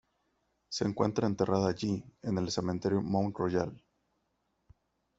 Se encuentra enterrada allí, en el cementerio Mount Royal.